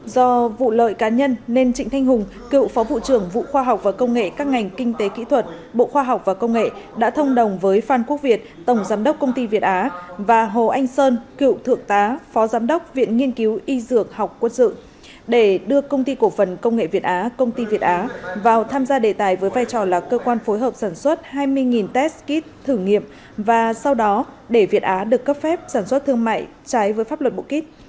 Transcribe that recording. do vụ lợi cá nhân nên trịnh thanh hùng cựu phó vụ trưởng vụ khoa học và công nghệ các ngành kinh tế kỹ thuật bộ khoa học và công nghệ đã thông đồng với phan quốc việt tổng giám đốc công ty việt á và hồ anh sơn cựu thượng tá phó giám đốc viện nghiên cứu y dưỡng học quân sự để đưa công ty cổ phần công nghệ việt á công ty việt á vào tham gia đề tài với vai trò là cơ quan phối hợp sản xuất hai mươi test kit thử nghiệm và sau đó để việt á được cấp phép sản xuất thương mại trái với pháp luật bộ kit